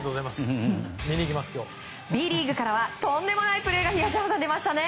Ｂリーグからはとんでもないプレーが出ました。